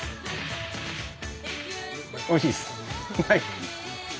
おいしいです！